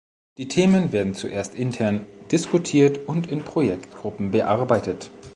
Die Themen werden zuerst intern diskutiert und in Projektgruppen bearbeitet.